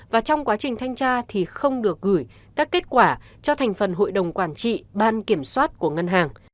và trong quá trình thanh tra thì không được gửi các kết quả cho thành phần hội đồng quản trị ban kiểm soát của ngân hàng